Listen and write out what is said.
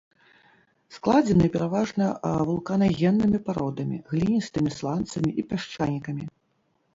Складзены пераважна вулканагеннымі пародамі, гліністымі сланцамі і пясчанікамі.